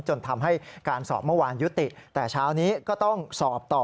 จนทำให้การสอบเมื่อวานยุติแต่เช้านี้ก็ต้องสอบต่อ